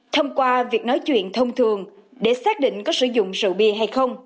thông qua việc nói chuyện thông thường để xác định có sử dụng rượu bia hay không